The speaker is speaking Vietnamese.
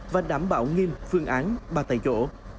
và đảm bảo nghiêm phương án ba tại chỗ